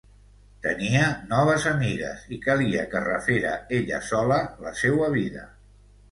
Tenia noves amigues i calia que refera ella sola la seua vida.